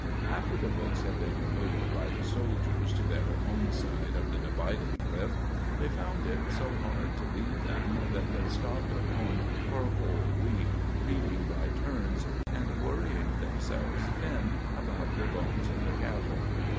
After the books had been removed by the soldiers to their own side of the dividing cliff, they found it so hard to leave them that they stopped at home for a whole week, reading by turns and worrying themselves thin about the bones of the cattle.